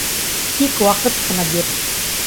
Тик ваҡыт ҡына бир